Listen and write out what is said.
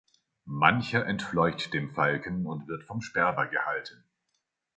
Mancher entfleucht dem Falken und wird vom Sperber gehalten.